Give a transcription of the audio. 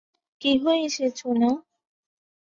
কী হয়েছে সোনা?